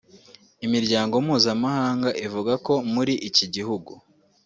Imiryango mpuzamahanga ivuga ko muriiki gihugu